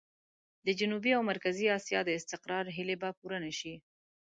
د جنوبي او مرکزي اسيا د استقرار هيلې به پوره نه شي.